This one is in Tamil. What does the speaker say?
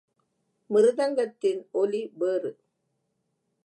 மிருதங்கத்தின் ஒலி வேறு.